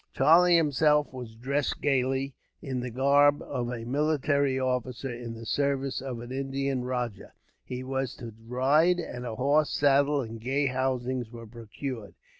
Charlie himself was dressed gaily, in the garb of a military officer in the service of an Indian rajah. He was to ride, and a horse, saddle, and gay housings were procured.